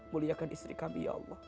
muliakan istri kami